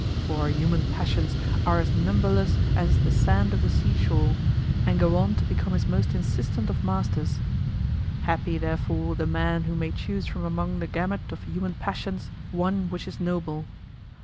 For human passions are as numberless as is the sand of the seashore, and go on to become his most insistent of masters. Happy, therefore, the man who may choose from among the gamut of human passions one which is noble!